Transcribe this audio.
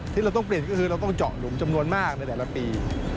ที่เราต้องเปลี่ยนก็คือเราต้องเจาะหลุมจำนวนมากในแต่ละปี